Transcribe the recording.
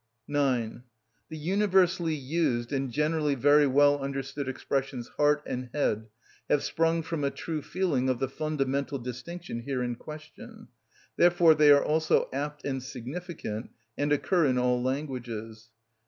9. The universally used and generally very well understood expressions heart and head have sprung from a true feeling of the fundamental distinction here in question; therefore they are also apt and significant, and occur in all languages.